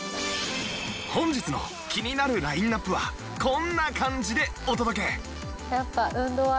本日の気になるラインアップはこんな感じでお届け